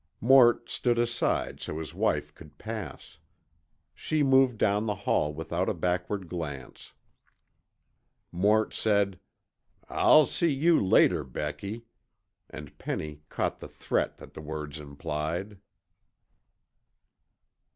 Mort stood aside so his wife could pass. She moved down the hall without a backward glance. Mort said, "I'll see you later, Becky," and Penny caught the threat that the words implied.